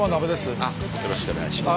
よろしくお願いします。